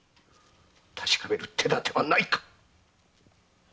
確かめる手だてはないか。